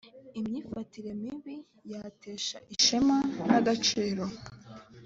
imyifatire mibi yatesha ishema n agaciro